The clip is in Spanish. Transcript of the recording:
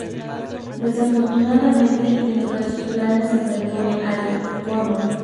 Desafortunadamente dentro de sus planes se interpone algo: Connor.